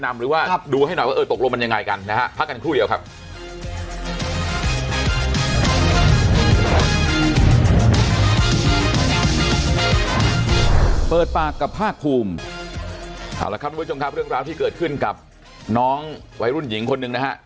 เปิดปากกับภาคภูมิเรื่องราวที่เกิดขึ้นกับน้องวัยรุ่นหญิงคนหนึ่งนะฮะ